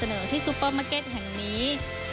เสนอที่ซุปเปอร์มาเก็ตแห่งนี้